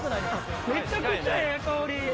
めちゃくちゃええ香り。